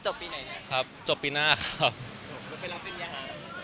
ปีไหนเนี่ยครับจบปีหน้าครับจบไปรับปริญญา